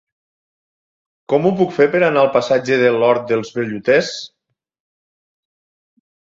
Com ho puc fer per anar al passatge de l'Hort dels Velluters?